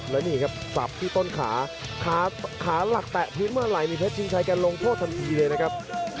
และนี่ครับสับที่ต้นขาขาหลักแตะทิ้งเมื่อไหร่มีเพชรชิงชัยแกลงโทษทันทีเลยนะครับ